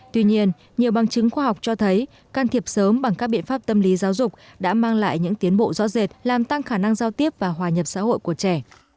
tuy nhiên nhiều bằng chứng khoa học cho thấy can thiệp sớm bằng các biện pháp tâm lý giáo dục đã mang lại những tiến bộ rõ rệt làm tăng khả năng giao tiếp và hòa nhập xã hội của trẻ